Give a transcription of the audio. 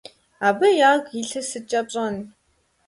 Абы ягу илъыр сыткӀэ пщӀэн?